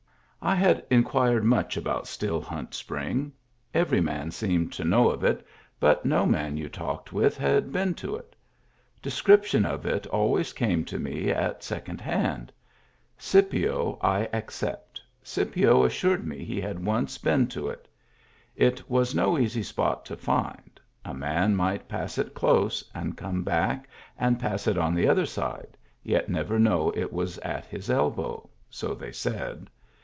I had inquired much about Still Hunt Spring. Every man seemed to know of it, but no man you talked with had been to it. Description of it always came to me at second hand. Scipio I except ; Scipio assured me he had once been to it It was no easy spot to find; a man might pass it close and come back and pass it on the other side, yet never know it was at his elbow: so they said.